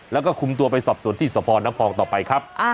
แล้วก็คุมตัวไปสอบสวนที่สพน้ำพองต่อไปครับ